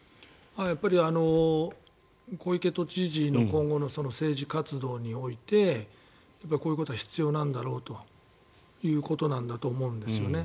やっぱり小池都知事の今後の政治活動においてこういうことは必要なんだろうということなんだと思うんですよね。